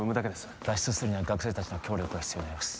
脱出するには学生達の協力が必要になります